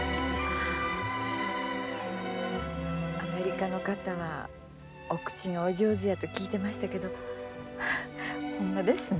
アメリカの方はお口がお上手やと聞いてましたけどほんまですね。